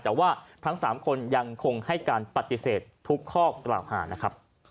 แต่ว่าทั้งสามคนยังคงให้การปฏิเสธทุกข้อกระหว่าง